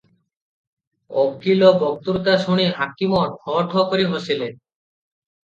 ଉକୀଲ ବକ୍ତୃତା ଶୁଣି ହାକିମ ଠୋ ଠୋ କରି ହସିଲେ ।